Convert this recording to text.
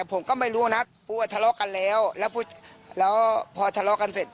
ผมก็ไม่รู้นะกลัวทะเลาะกันแล้วแล้วพอทะเลาะกันเสร็จ